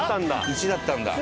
「１」だったんだ。